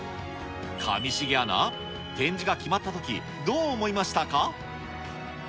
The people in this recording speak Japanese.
上重アナ、展示が決まったとき、どう思いましたか？